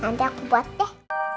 nanti aku buat deh